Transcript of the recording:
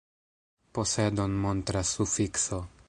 Posedon montras sufikso.